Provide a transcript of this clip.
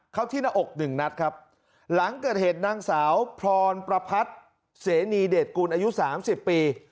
เข้าที่หน้าอกหนึ่งนัดครับหลังเกิดเหตุนางสาวพรประพัทธ์เสนีเดชกุลอายุสามสิบปี